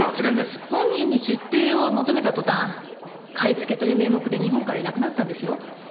本人に出廷を求めた途端買い付けという名目で日本からいなくなったんですよ。